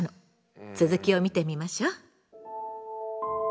続きを見てみましょう。